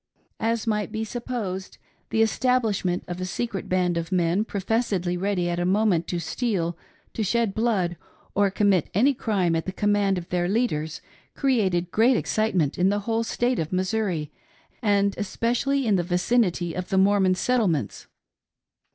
' As might be supposed, the establishment of a secret band of men professedly ready at a moment to steal, to shed blood, or commit any crime at the command of their leaders created great excitement in the whole State of Missouri, and especially in the vicinity of the Mormon Settlements.